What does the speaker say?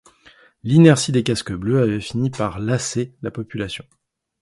L'inertie des casques bleus avait fini par lasser la population.